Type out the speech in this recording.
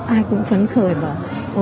ai cũng phấn khởi bảo